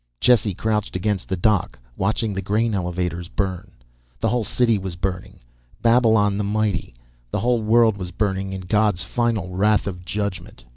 Jesse crouched against the dock, watching the grain elevators burn. The whole city was burning, Babylon the mighty, the whole world was burning in God's final wrath of judgment.